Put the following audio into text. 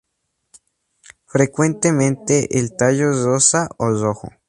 Frecuentemente el tallo es rosa o rojo.